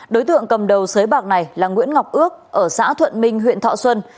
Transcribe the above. đối tượng cầm đầu sới bạc này là nguyễn ngọc ước ở xã thuận minh huyện thọ xuân